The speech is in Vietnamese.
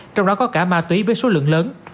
trong đó có cả ma túy với số lượng lớn